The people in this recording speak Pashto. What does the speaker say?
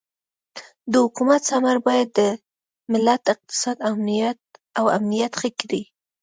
د حکومت ثمر باید د ملت اقتصاد او امنیت ښه کړي.